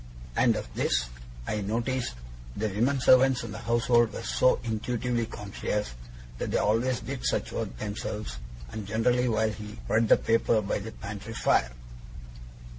And of this, I noticed the women servants in the household were so intuitively conscious, that they always did such work themselves, and generally while he read the paper by the pantry fire.